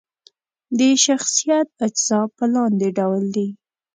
د شخصیت اجزا په لاندې ډول دي: